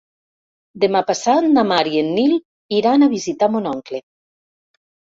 Demà passat na Mar i en Nil iran a visitar mon oncle.